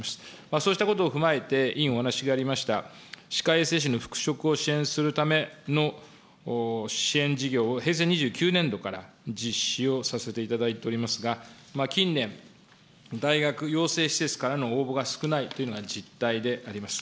そうしたことを踏まえて、委員、お話のありました、歯科衛生士の復職を支援するための支援事業を平成２９年度から実施をさせていただいておりますが、近年、大学、養成施設からの応募が少ないというのが実態であります。